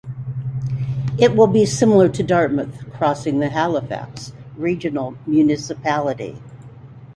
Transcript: It will be similar to Dartmouth Crossing in the Halifax Regional Municipality.